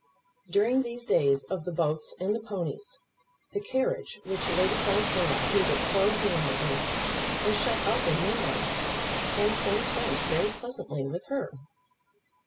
During these days of the boats and the ponies, the carriage which Lady Glencora hated so vehemently was shut up in limbo, and things went very pleasantly with her.